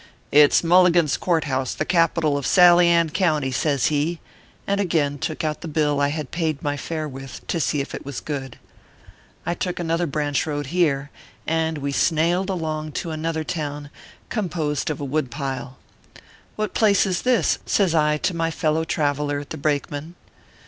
"It s Mul ligan s Court House, the Capital of Sally Ann County," says he, and again took out the bill I had paid my fare with to see if it was good. I took another branch road here, and we snailed along to another town, composed of a wood pile. 352 ORPHEUS C. KERR PAPERS. " What place is this ?" says I to my fellow traveller, the brakeman.